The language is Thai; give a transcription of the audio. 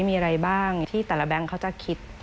มีอะไรบ้างที่แต่ละแบงค์เขาจะคิด